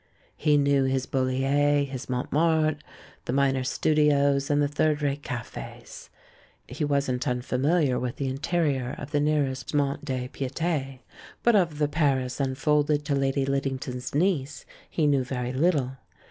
He knew his BuUier, his JNIontmartre, the minor studios, and the third rate cafes; he wasn't unfamiHar with the interior of the nearest mont de piete. But of the Paris unfolded to Lady Liddington's niece he knew very little.